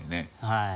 はい。